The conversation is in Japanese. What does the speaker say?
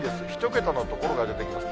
１桁の所が出てきます。